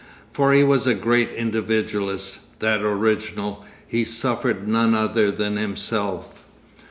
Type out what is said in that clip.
For he was a great individualist, that original, he suffered none other than himself.